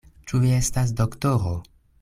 Ĉu vi estas doktoro?